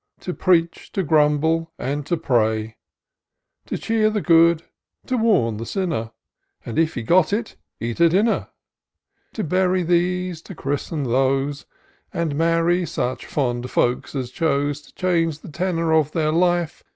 To preach, to grumble, and to pray ; To cheer the good, to warn the sinner, And, if he got it, — eat a dinner : To bury these, to christen those, And marry such fond folks as chose To change the tenor of their life.